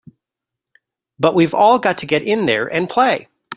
But we've all got to get in there and play!